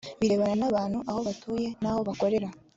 birebana n abantu aho batuye n aho bakorera